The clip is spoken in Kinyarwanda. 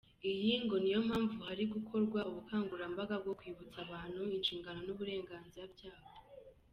Iyi ngo niyo mpamvu harimo gukorwa ubukangurambaga bwo kwibutsa abantu ishingano n’uburenganzira byabo.